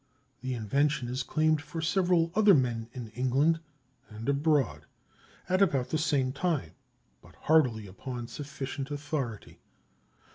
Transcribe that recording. The invention is claimed for several other men in England and abroad at about the same time; but hardly upon sufficient authority.